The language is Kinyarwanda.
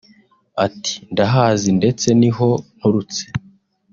ati “Ndahazi ndetse niho nturutse”